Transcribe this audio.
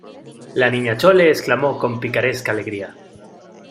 la Niña Chole exclamó con picaresca alegría: